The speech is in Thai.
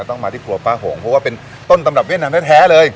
ต้องมาที่ครัวป้าหงเพราะว่าเป็นต้นตำรับเวียดนามแท้เลย